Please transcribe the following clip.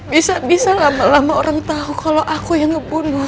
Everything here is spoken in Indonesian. bisa bisa lama lama orang tahu kalau aku yang ngebunuh